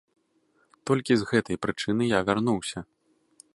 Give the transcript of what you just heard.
Толькі з гэтай прычыны я вярнуўся.